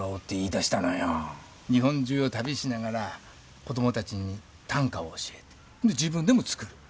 日本中を旅しながら子供たちに短歌を教えて自分でも作る。